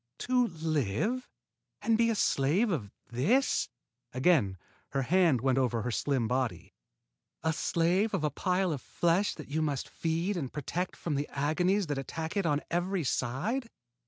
"To live and be a slave of this?" Again her hand went over her slim body. "A slave of a pile of flesh that you must feed and protect from the agonies that attack it on every side?